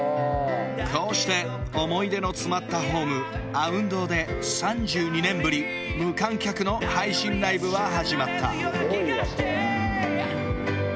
こうして思い出の詰まったホームあうん堂で３２年ぶり無観客の配信ライブは始まったＯｈＬａｄｙ